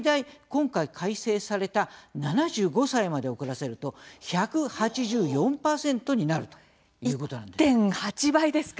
今回、改正された７５歳まで遅らせると１８４％になるということなんです。